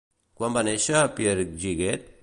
Quan va néixer Pierre Giguet?